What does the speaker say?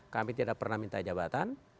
kami tidak pernah minta jabatan